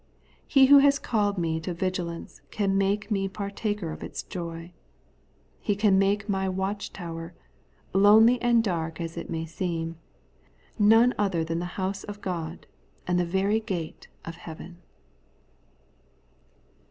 He who has called me to vigilance can make me partaker of its joy. He can make my watch tower, lonely and dark as it may seem, none other than the house of God, and the very gate of heaven.